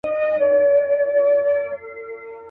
د قصاب څنګ ته موچي په کار لګیا وو.